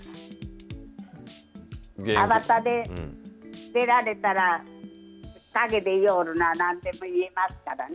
アバターで出られたら陰で言いよるなら何でも言えますからね